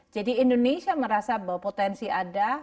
jadi indonesia merasa bahwa potensi ada